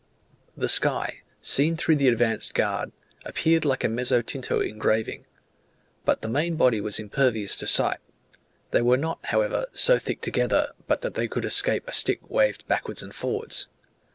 The sky, seen through the advanced guard, appeared like a mezzotinto engraving, but the main body was impervious to sight; they were not, however, so thick together, but that they could escape a stick waved backwards and forwards.